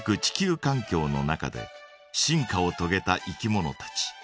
地球かん境の中で進化をとげたいきものたち。